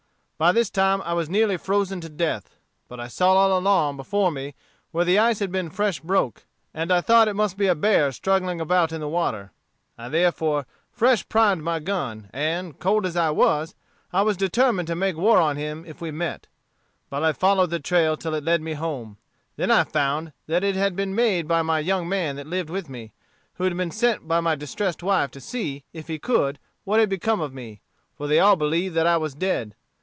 By this time, I was nearly frozen to death; but I saw all along before me where the ice had been fresh broke, and I thought it must be a bear struggling about in the water. I therefore fresh primed my gun, and, cold as I was, I was determined to make war on him if we met. But I followed the trail till it led me home. Then I found that it had been made by my young man that lived with me, who had been sent by my distressed wife to see, if he could, what had become of me, for they all believed that I was dead.